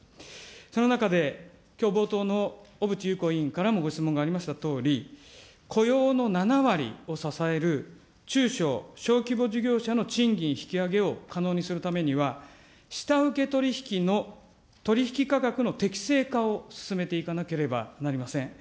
その中で、きょう冒頭の小渕優子委員からもご質問がありましたとおり、雇用の７割を支える中小・小規模事業者の賃金引き上げを可能にするためには、下請け取り引きの取り引き価格の適正化を進めていかなければなりません。